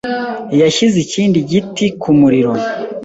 yashyize ikindi giti ku muriro.